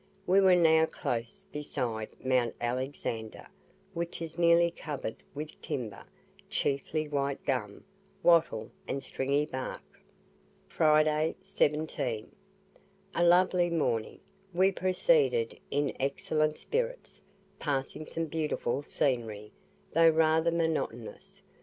We were now close beside Mount Alexander, which is nearly covered with timber, chiefly white gum, wattle and stringy bark. FRIDAY, 17. A lovely morning; we proceeded in excellent spirits, passing some beautiful scenery, though rather monotonous.